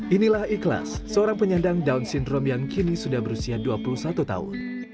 inilah ikhlas seorang penyandang down syndrome yang kini sudah berusia dua puluh satu tahun